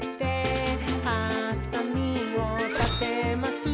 「はさみをたてます」